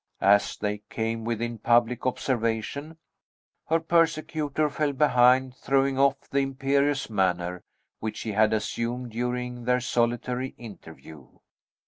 As they came within public observation, her persecutor fell behind, throwing off the imperious manner which he had assumed during their solitary interview.